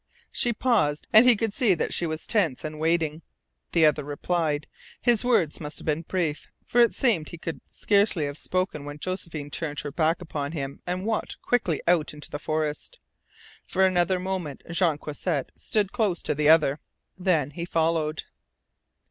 She paused, and he could see that she was tense and waiting. The other replied. His words must have been brief, for it seemed he could scarcely have spoken when Josephine turned her back upon him and walked quickly out into the forest. For another moment Jean Croisset stood close to the other. Then he followed.